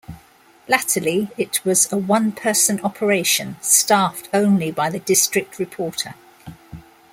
Latterly, it was a one-person operation staffed only by the district reporter.